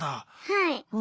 はい。